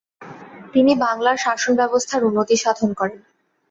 তিনি বাংলার শাসনব্যবস্থার উন্নতি সাধন করেন।